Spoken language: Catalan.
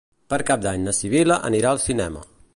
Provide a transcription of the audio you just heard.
Per Cap d'Any na Sibil·la anirà al cinema.